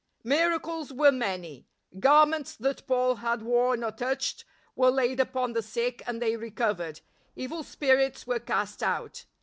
Miracles were many. Garments that Paul had worn or touched were laid upon the sick and they recovered; evil spirits were cast out.